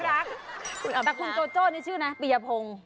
แต่คุณโจโจ้นี่ชื่อนะปียพงศ์